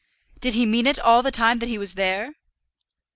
Did he mean it all the time that he was there?"